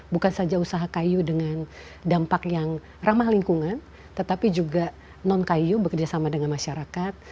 bukan saja usaha kayu dengan dampak yang ramah lingkungan tetapi juga non kayu bekerja sama dengan masyarakat